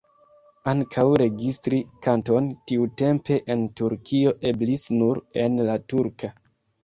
Ankaŭ registri kanton tiutempe en Turkio eblis nur en la turka.